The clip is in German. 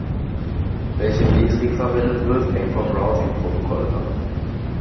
Welche Metrik verwendet wird, hängt vom Routing-Protokoll ab.